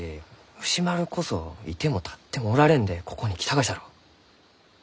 藤丸こそ居ても立ってもおられんでここに来たがじゃろう？